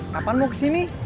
kapan mau kesini